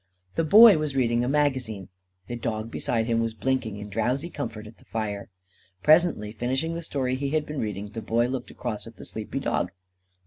The Boy was reading a magazine. The dog beside him was blinking in drowsy comfort at the fire. Presently, finishing the story he had been reading, the Boy looked across at the sleepy dog.